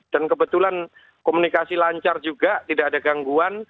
dan kebetulan komunikasi lancar juga tidak ada gangguan